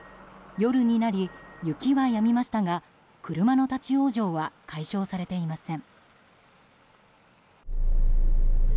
夜になり、雪はやみましたが車の立ち往生は解消されていません。